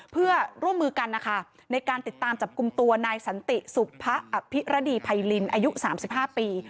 เพื่อร่วมมือกันนะคะในการติดตามจับกลุ่มตัวนายสันติสุภะอภิรดีไพรินอายุ๓๕ปี